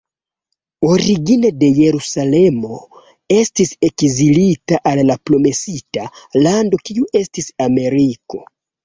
Origine de Jerusalemo, estis ekzilita al la promesita lando kiu estis Ameriko.